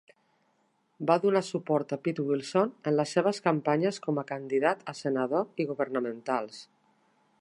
Va donar suport a Pete Wilson en les seves campanyes com a candidat a senador i governamentals.